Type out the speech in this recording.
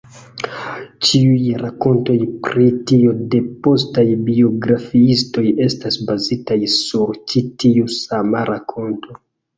Ĉiuj rakontoj pri tio de postaj biografiistoj estas bazitaj sur ĉi tiu sama rakonto.